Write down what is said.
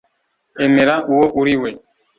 emera uwo uri we.